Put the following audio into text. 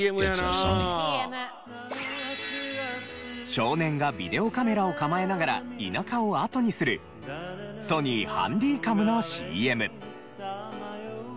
少年がビデオカメラを構えながら田舎をあとにするＳＯＮＹハンディカムのＣＭ。